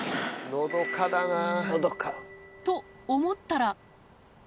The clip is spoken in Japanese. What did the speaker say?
のどかだな。と思ったら！